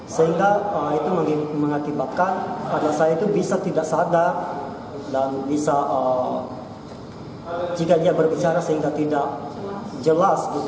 sehingga itu mengakibatkan anak saya itu bisa tidak sadar dan bisa jika dia berbicara sehingga tidak jelas